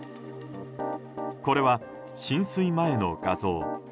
これは浸水前の画像。